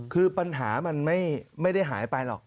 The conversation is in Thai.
คือปัญหามันไม่ได้หายไปหรอก